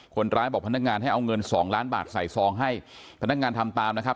คนร้ายบอกพนักงานให้เอาเงินสองล้านบาทใส่ซองให้พนักงานทำตามนะครับ